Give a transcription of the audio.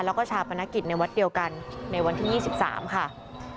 แล้วก็ชาวพนักศิลป์ในวัดเดียวกันในวันที่ยี่สิบสามค่ะ